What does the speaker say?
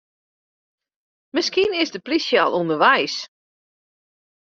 Miskien is de plysje al ûnderweis.